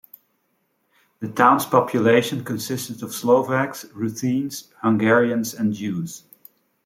The town's population consisted of Slovaks, Ruthenes, Hungarians and Jews.